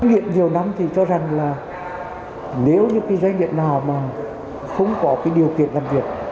nghiện nhiều năm thì cho rằng là nếu như cái doanh nghiệp nào mà không có cái điều kiện làm việc